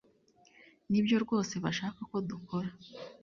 Nibyo rwose bashaka ko dukora.